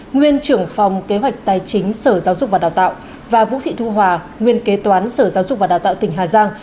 nguyên trưởng phòng kế hoạch tài chính sở giáo dục và đào tạo và vũ thị thu hòa nguyên kế toán sở giáo dục và đào tạo tỉnh hà giang